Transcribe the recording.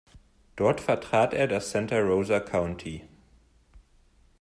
Dort vertrat er das Santa Rosa County.